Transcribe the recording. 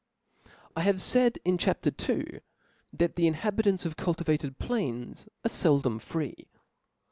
I have faid in Chap. II. that the inhabitants of cultivated plains are feldom free.